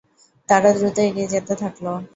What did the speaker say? তারা দ্রুত এগিয়ে যেতে থাকল।